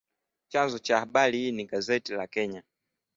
Chanzo cha habari hii ni gazeti la Kenya